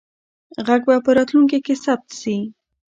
غږ به په راتلونکي کې ثبت سي.